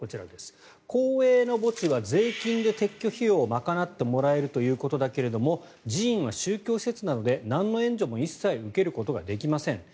公営の墓地は税金で撤去費用を賄ってもらえるということだけども寺院は宗教施設なのでなんの援助も一切受けることができません。